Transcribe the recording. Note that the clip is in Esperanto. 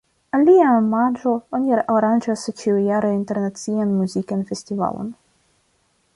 Al lia omaĝo oni aranĝas ĉiujare internacian muzikan festivalon.